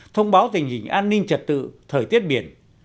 thông báo tình hình an ninh trật tự thời tiết biển